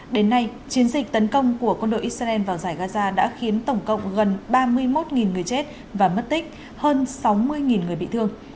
đến nay chiến dịch tấn công của quân đội israel vào giải gaza đã khiến tổng cộng gần ba mươi một người chết và mất tích hơn sáu mươi người bị thương